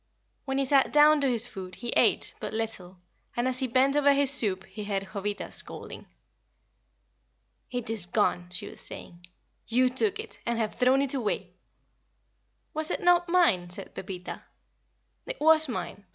When he sat down to his food he ate but little, and as he bent over his soup he heard Jovita scolding. "It is gone," she was saying. "You took it, and have thrown it away." "Was it not mine?" said Pepita. "It was mine.